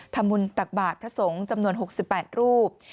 ทำบุญตักบาทพระสงฆ์จำนวน๖๘รูป